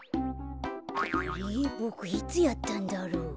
あれボクいつやったんだろう？